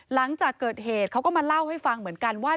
หลังจากเกิดเหตุเขาก็มาเล่าให้ฟังเหมือนกันว่า